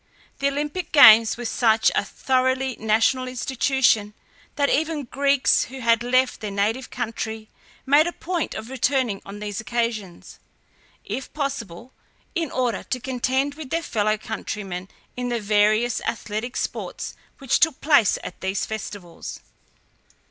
The Olympic games were such a thoroughly national institution, that even Greeks who had left their native country made a point of returning on these occasions, if possible, in order to contend with their fellow countrymen in the various athletic sports which took place at these festivals.